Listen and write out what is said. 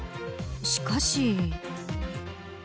しかし。